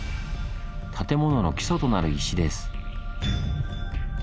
建物の基礎となる石です。